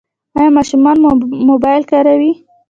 ایا ماشومان مو موبایل کاروي؟